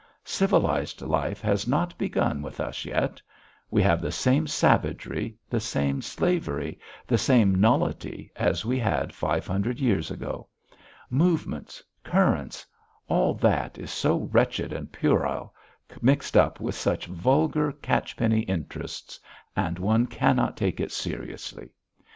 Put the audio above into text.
Civilised life has not begun with us yet. We have the same savagery, the same slavery, the same nullity as we had five hundred years ago. Movements, currents all that is so wretched and puerile mixed up with such vulgar, catch penny interests and one cannot take it seriously.